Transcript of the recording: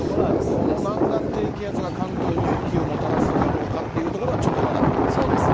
この南岸低気圧が関東に雪をもたらすのかどうかというところそうですね。